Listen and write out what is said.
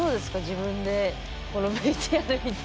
自分でこのＶＴＲ見て。